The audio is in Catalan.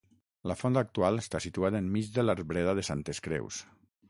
La font actual està situada enmig de l'arbreda de Santes Creus.